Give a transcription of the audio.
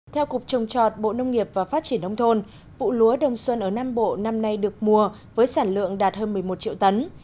theo cục trồng trọt bộ nông nghiệp và phát triển nông thôn vụ lúa đông xuân ở nam bộ năm nay được mùa với sản lượng đạt hơn một mươi một triệu tấn